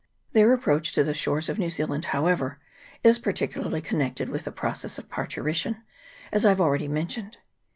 Their approach to the shores of New Zealand, however, is particularly connected with the process of parturition, as I have already mentioned.